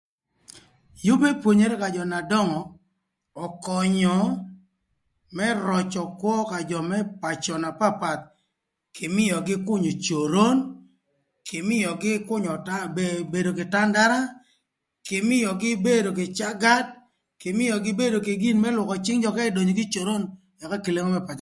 Yüb më pwonyere ka jö na döngö ökönyö më röcö kwö ka jö më pacö na papath kï mïögï künyö coron, kï mïögï künyö, bedo kï tandara, kï mïögï bedo kï cagat, kï mïögï bedo kï gin më lwökö cïng jö ka edonyo kï ï coron ëka kï lengo më pacö.